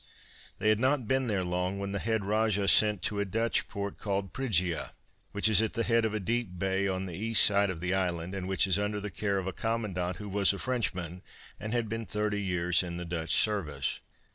They had not been there long when the head Rajah sent to a Dutch port called Priggia, which is at the head of a deep bay on the east side of the island and which is under the care of a commandant who was a Frenchman, and had been thirty years in the Dutch service.